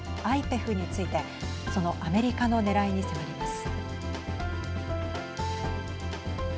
ＩＰＥＦについてそのアメリカのねらいに迫ります。